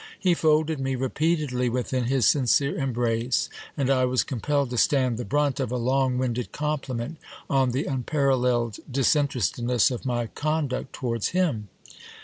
He folded me repeatedly within his sincere embrace, and I was compelled to stand the brunt of a long winded compliment on the unparalleled disinterestedness of my con duct towards him.